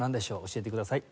教えてください。